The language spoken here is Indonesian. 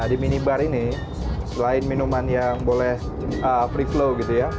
di minibar ini selain minuman yang boleh free flow